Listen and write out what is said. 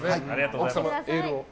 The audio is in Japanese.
奥様、エールを。